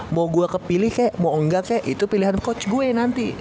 mau gue kepilih kek mau enggak kek itu pilihan coach gue nanti